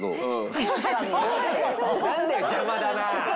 なんだよ邪魔だな！